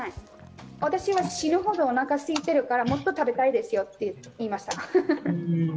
私は、死ぬほど、おなかがすいてるからもっと食べたいですよと言いました。